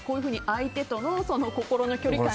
相手との心の距離感。